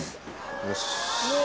よし。